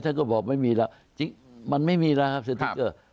ท่านก็บอกไม่มีแล้วมันไม่มีแล้วครับสติ๊กเกอร์